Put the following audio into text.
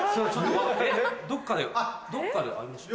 どっかでどっかで会いました？